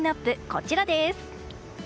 こちらです！